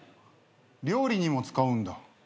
料理にも使うんだ。